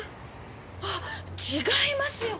あっ違いますよ！